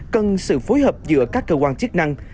cần sự phối hợp giữa các cơ quan chức năng